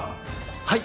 はい。